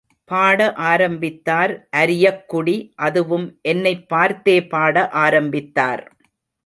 பாட ஆரம்பித்தார் அரியக்குடி அதுவும் என்னைப் பார்த்தே பாட ஆரம்பித்தார்.